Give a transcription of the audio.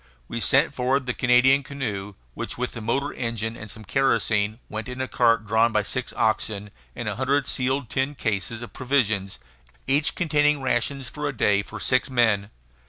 We sent forward the Canadian canoe which, with the motor engine and some kerosene, went in a cart drawn by six oxen and a hundred sealed tin cases of provisions, each containing rations for a day for six men.